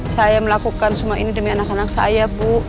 saya melakukan semua ini demi anak anak saya bu